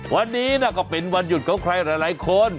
วันนี้ก็เป็นวันหยุดของใครหลายคน